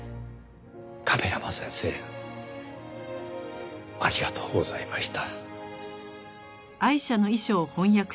「亀山先生ありがとうございました」